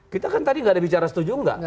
kita kan tadi enggak ada bicara setuju enggak